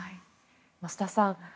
増田さん